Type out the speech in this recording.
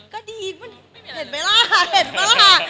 ก็ดีมันเห็นเวลาเห็นเวลาค่ะ